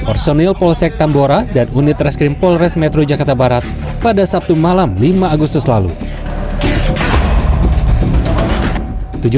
personil polsek tambora dan unit reskrim polres metro jakarta barat pada sabtu malam lima agustus lalu